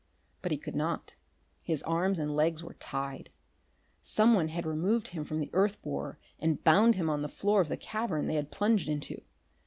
But he could not. His arms and legs were tied. Someone had removed him from the earth borer and bound him on the floor of the cavern they had plunged into.